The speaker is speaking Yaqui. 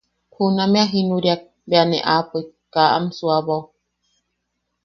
Juname a jinuriawak bea ne aapoik, kaa am suuabao.